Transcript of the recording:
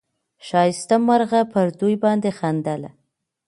ښایسته مرغه پر دوی باندي خندله